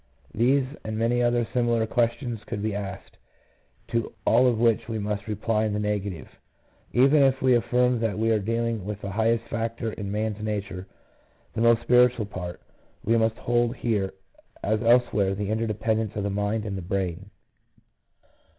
These and many other similar questions could be asked, to all of which we must reply in the negative. Even if we affirm that we are dealing with the highest factor in man's nature, the most spiritual part, we must hold here as elsewhere the interdependence of the mind and the brain.